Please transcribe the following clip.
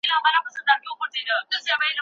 نوم نه دی، بلکي قومي نوم دی»، او یا «لوی